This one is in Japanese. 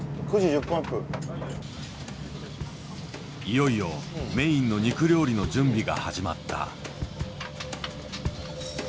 いよいよメインの肉料理の準備が始まった。